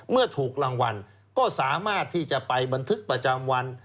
เมื่อถูกรางวัลก็สามารถที่จะไปบันทึกประจำวัน